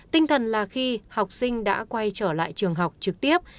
tinh thần là khi học sinh đã quay trở lại trường học trực tiếp